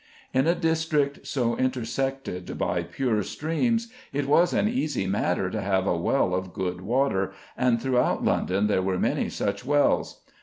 In a district so intersected by pure streams, it was an easy matter to have a well of good water, and throughout London there were many such wells.